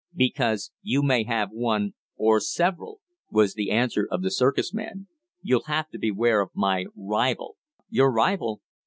"Because you may have one or several," was the answer of the circus man. "You'll have to beware of my rival." "Your rival?"